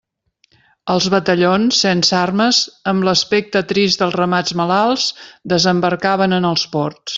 Els batallons, sense armes, amb l'aspecte trist dels ramats malalts, desembarcaven en els ports.